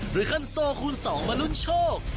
หรือขั้นโซคูณสองมาลุ้นโชค